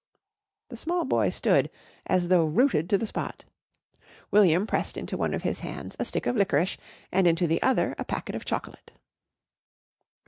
The small boy stood, as though rooted to the spot. William pressed into one of his hands a stick of liquorice and into the other a packet of chocolate.